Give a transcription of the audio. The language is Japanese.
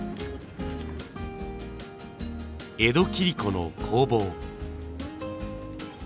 江戸切子の工房。